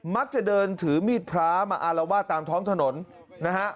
มักจะเดินถือมีดพระมาอารวาสตามท้องถนนนะฮะ